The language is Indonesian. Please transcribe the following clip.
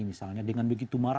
misalnya dengan begitu marah